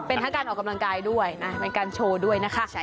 เป็นทั้งการออกกำลังกายด้วยนะเป็นการโชว์ด้วยนะคะ